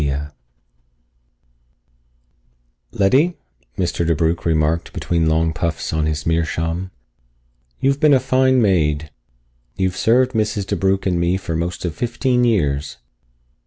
+] "Letty," Mr. DeBrugh remarked between long puffs on his meerschaum, "you've been a fine maid. You've served Mrs. DeBrugh and me for most of fifteen years.